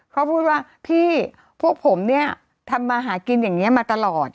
เขาพูดว่าพี่พวกผมเนี่ยทำมาหากินอย่างนี้มาตลอด